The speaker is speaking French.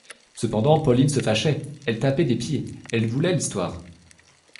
Cependant, Pauline se fâchait, elle tapait des pieds, elle voulait l’histoire.